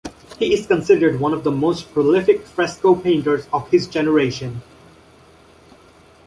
He is considered one of the most prolific fresco painters of his generation.